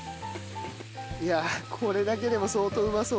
いやこれだけでも相当うまそうだ。